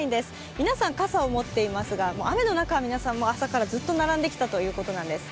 皆さん、傘を持っていますが雨の中、皆さん、朝からずっと並んできたということです。